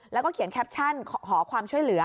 แล้วก็เขียนแคปชั่นขอความช่วยเหลือ